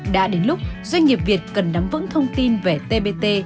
đã đến lúc doanh nghiệp việt cần nắm vững thông tin về tbt